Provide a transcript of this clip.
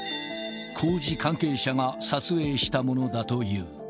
工事関係者が撮影したものだという。